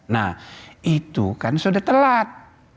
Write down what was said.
nah itu kan sudah telat